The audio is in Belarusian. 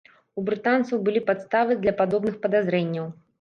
У брытанцаў былі падставы для падобных падазрэнняў.